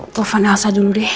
tuhan alsa dulu deh